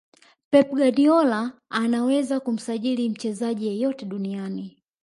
pep guardiola anaweza kumsajili mchezaji yeyote duniani